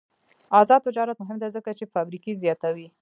آزاد تجارت مهم دی ځکه چې فابریکې زیاتوي.